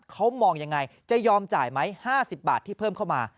เขามองยังไงจะยอมจ่ายไหม๕๐บาทที่เพิ่มเข้ามา